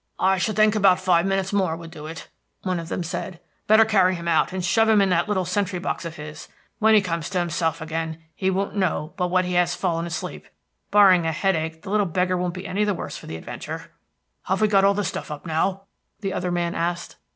"I should think about five minutes more would do it," one of them said. "Better carry him out, and shove him in that little sentry box of his. When he comes to himself again he won't know but what he has fallen asleep; barring a headache, the little beggar won't be any the worse for the adventure." "Have we got all the stuff up now?" the other man asked.